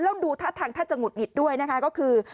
แล้วดูท่าทางถ้าจะหงุดหงิดด้วยนะคะก็คือ